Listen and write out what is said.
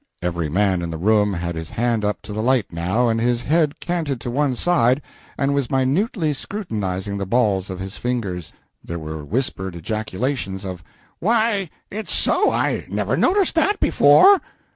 [Every man in the room had his hand up to the light, now, and his head canted to one side, and was minutely scrutinizing the balls of his fingers; there were whispered ejaculations of 'Why, it's so I never noticed that before!'